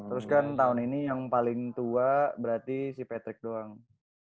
sembilan puluh tujuh terus kan tahun ini yang paling tua berarti si patrick doang